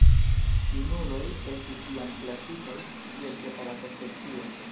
Junuloj estis iam klasitaj kiel separata specio.